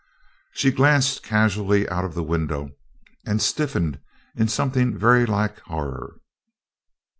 She glanced casually out of the window and stiffened in something very like horror.